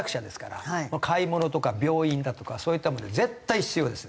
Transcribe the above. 買い物とか病院だとかそういったものに絶対必要です。